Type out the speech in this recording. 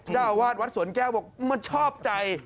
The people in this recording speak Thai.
เจ้าอาวาสวัดสวนแก้วบอกมันชอบใจ